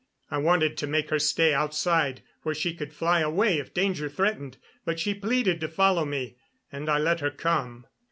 I wanted to make her stay outside, where she could fly away if danger threatened, but she pleaded to follow me, and I let her come.